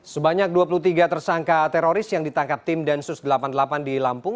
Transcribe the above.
sebanyak dua puluh tiga tersangka teroris yang ditangkap tim densus delapan puluh delapan di lampung